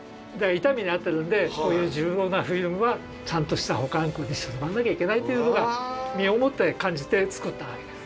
痛い目に遭ってるんでこういう重要なフィルムはちゃんとした保管庫にしまわなきゃいけないっていうのが身をもって感じて作ったわけです。